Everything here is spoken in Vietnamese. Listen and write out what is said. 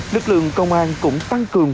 lực lượng công an cũng tăng cường